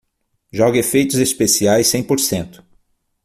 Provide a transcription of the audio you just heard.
Jogue efeitos especiais cem por cento